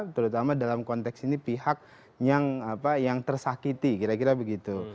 terutama dalam konteks ini pihak yang tersakiti kira kira begitu